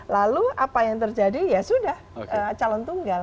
lalu apa yang terjadi ya sudah calon tunggal